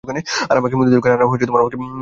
আর আমাকে মুদি দোকানে।